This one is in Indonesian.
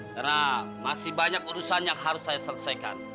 karena masih banyak urusan yang harus saya selesaikan